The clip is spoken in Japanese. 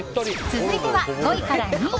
続いては、５位から２位。